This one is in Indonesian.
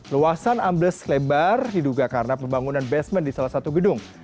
luasan ambles lebar diduga karena pembangunan basement di salah satu gedung